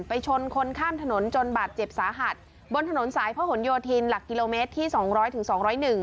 ชนคนข้ามถนนจนบาดเจ็บสาหัสบนถนนสายพระหลโยธินหลักกิโลเมตรที่สองร้อยถึงสองร้อยหนึ่ง